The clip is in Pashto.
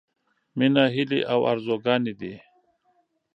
— مينه هيلې او ارزوګانې دي.